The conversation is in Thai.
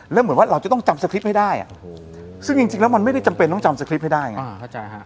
แล้วเหมือนว่าเราจะต้องจำสคริปต์ให้ได้ซึ่งจริงแล้วมันไม่ได้จำเป็นต้องจำสคริปต์ให้ได้ไง